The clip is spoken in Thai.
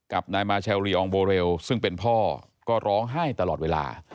กับนายมาเชลลีอองโบเรลซึ่งเป็นพ่อก็ร้องไห้ตลอดเวลา